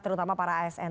terutama para asn